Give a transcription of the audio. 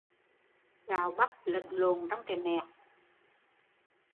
Gạo bắp lẫn lộn trong cái mẹt